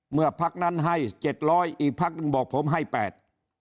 เมื่อภาคนั้นให้เจ็ดร้อยอีกภาคนึงบอกผมให้แปด